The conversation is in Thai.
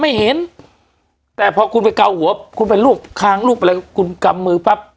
ไม่เห็นแต่พอคุณไปเกาหัวคุณไปรูปคางรูปอะไรคุณกำมือปั๊บ